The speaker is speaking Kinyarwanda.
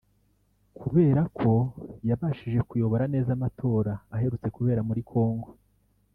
kubera ko yabashije kuyobora neza amatora aherutse kubera muri Congo